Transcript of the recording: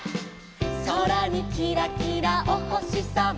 「そらにキラキラおほしさま」